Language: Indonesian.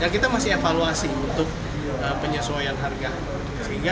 kita masih evaluasi untuk penyesuaian harga sehingga